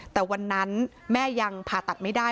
แต่วันนั้นแม่ยังผ่าตัดไม่ได้